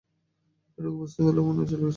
এইটুকু বুঝতে পারলুম, অনিল চলে গেছে।